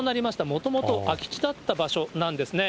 もともと空き地だった場所なんですね。